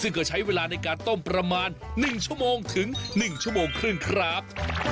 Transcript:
ซึ่งก็ใช้เวลาในการต้มประมาณ๑ชั่วโมงถึง๑ชั่วโมงครึ่งครับ